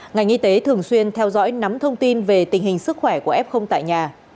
ngành y tế thường xuyên theo dõi nắm thông tin về tình hình sức khỏe của f tại nhà